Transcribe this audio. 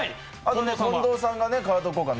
近藤さんは？